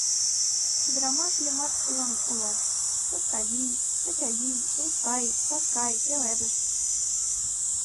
Ӱдырамаш лӱмат лыҥ уло: Саскавий, Чачавий, Лыстай, Саскай, Пеледыш.